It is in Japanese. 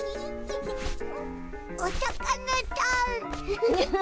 おさかなさん！